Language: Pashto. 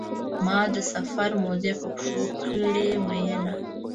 ما د سفر موزې په پښو کړې مینه.